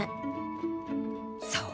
そう。